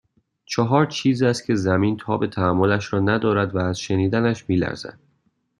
چهار چیز است كه زمين تاب تحملش را ندارد و از شنيدنش میلرزد